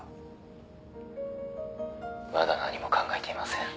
「まだ何も考えていません」